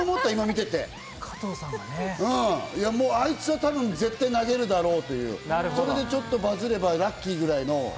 もうあいつは絶対投げるだろうという、それでちょっとバズればラッキーくらいの。